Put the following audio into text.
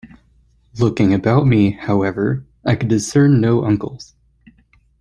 Looking about me, however, I could discern no uncles.